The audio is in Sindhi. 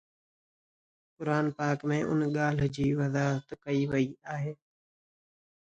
قرآن پاڪ ۾ ان ڳالهه جي وضاحت ڪئي وئي آهي